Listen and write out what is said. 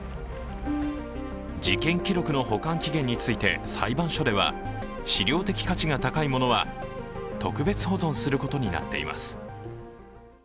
事件記録の保管期限について裁判所では、史料的価値が高いものは保存することになっています。